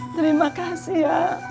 terima kasih ya